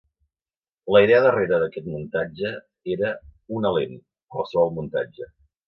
La idea darrere d'aquest muntatge era "una lent, qualsevol muntatge".